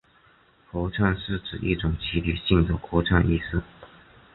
合唱指一种集体性的歌唱艺术。